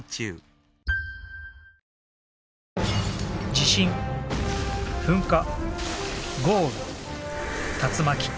地震噴火豪雨竜巻。